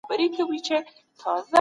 سیاست باید د خلکو غوښتنو ته ځواب ووایي.